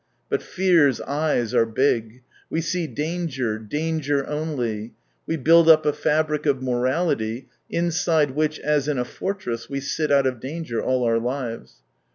But fear's eyes are big. We see danger, danger only, we build up a fabric of morality inside which as in a fortress we sit out of danger all our lives.